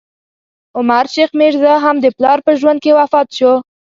عمر شیخ میرزا، هم د پلار په ژوند کې وفات شو.